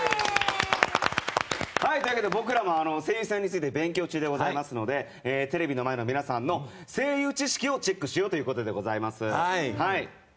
僕らも声優さんについて勉強中でございますのでテレビの前の皆さんの声優知識をチェックしようということでございます。